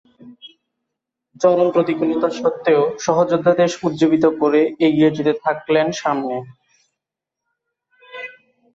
চরম প্রতিকূলতা সত্ত্বেও সহযোদ্ধাদের উজ্জীবিত করে এগিয়ে যেতে থাকলেন সামনে।